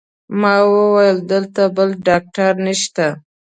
ما وویل: دلته بل ډاکټر نشته؟